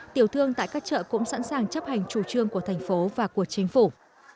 tiểu thương tại các chợ cũng sẵn sàng chấp hành chủ trương của thành phố và của chính phủ